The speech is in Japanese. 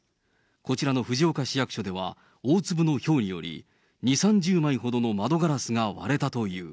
こちらの藤岡市役所では、大粒のひょうにより、２、３０枚ほどの窓ガラスが割れたという。